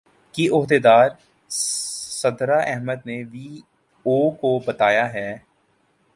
کی عہدیدار سدرا احمد نے وی او کو بتایا ہے